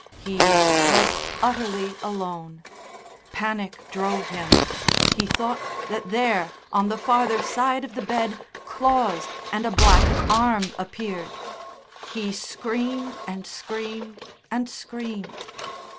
He was utterly alone. Panic drove him; he thought that there, on the farther side of the bed, claws and a black arm appeared. He screamed and screamed and screamed.